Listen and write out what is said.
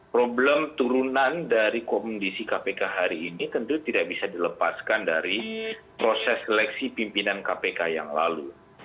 problem turunan dari komisi kpk hari ini tentu tidak bisa dilepaskan dari proses seleksi pimpinan kpk yang lalu